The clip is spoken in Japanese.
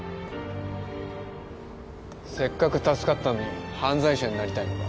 せっかく助かったのに犯罪者になりたいのか